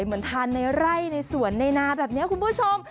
เหมือนทานในไร่ในสวนในนาแบบนี้คุณผู้ชม